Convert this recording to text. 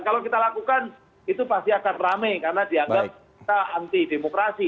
kalau kita lakukan itu pasti akan rame karena dianggap kita anti demokrasi